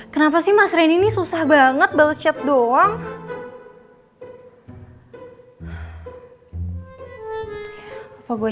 kenapa sih mas reni ini susah banget ball chat doang